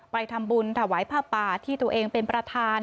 ไปทำบุญถวายผ้าป่าที่ตัวเองเป็นประธาน